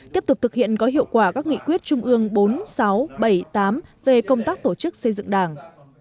tiếp tục thực hiện có hiệu quả các nghị quyết trung ương bốn nghìn sáu bảy mươi tám về công tác tổ chức xây dựng đảng